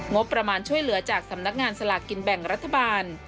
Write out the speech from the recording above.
งบประมาณช่วยเหลือจากสำนักงานสลากกินแบ่งรัฐบาล